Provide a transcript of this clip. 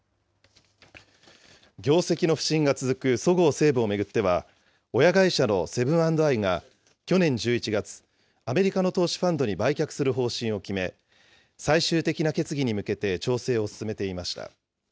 業績の不振が続くそごう・西武を巡っては、親会社のセブン＆アイが去年１１月、アメリカの投資ファンドに売却する方針を決め、最終的な決議に向けて調整を進めていました。